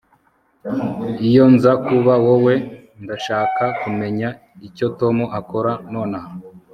Iyo nza kuba wowe ndashaka kumenya icyo Tom akora nonaha